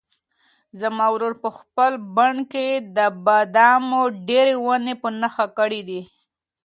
زما ورور په خپل بڼ کې د بادامو ډېرې ونې په نښه کړې دي.